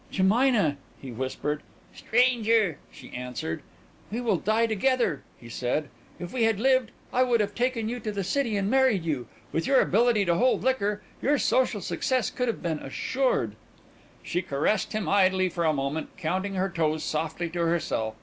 "Jemina," he whispered. "Stranger," she answered. "We will die together," he said. "If we had lived I would have taken you to the city and married you. With your ability to hold liquor, your social success would have been assured." She caressed him idly for a moment, counting her toes softly to herself.